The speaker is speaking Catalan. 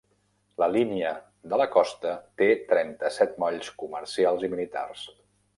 La línia de la costa té trenta-set molls comercials i militars.